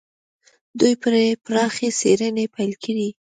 دوی پرې پراخې څېړنې پيل کړې.